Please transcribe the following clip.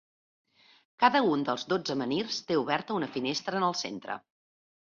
Cada un dels dotze menhirs té oberta una finestra en el centre.